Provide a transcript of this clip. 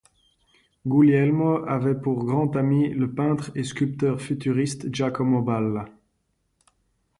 Guglielmo avait pour grand ami le peintre et sculpteur futuriste Giacomo Balla.